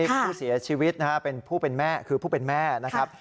ผู้เสียชีวิตนะฮะเป็นผู้เป็นแม่คือผู้เป็นแม่นะครับ